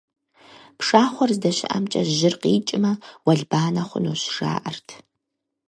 Пшагъуэр здэщыӏэмкӏэ жьыр къикӏмэ, уэлбанэ хъунущ, жаӀэрт.